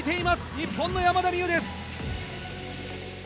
日本の山田美諭です。